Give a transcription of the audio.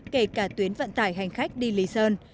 kể cả tuyến vận tải hành khách đi lý sơn